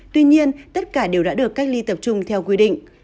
tuy nhiên tất cả đều đã được cách ly tập trung theo quy định